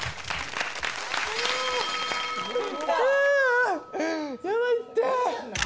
ああやばいって。